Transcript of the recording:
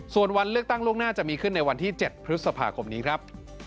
ส่วนวันเลือกตั้งล่วงหน้าจะมีขึ้นในวันที่๗พฤษภาคมนี้ครับ